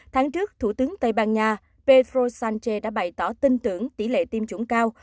tháng trước thủ tướng tây ban nha pedro sánche đã bày tỏ tin tưởng tỷ lệ tiêm chủng cao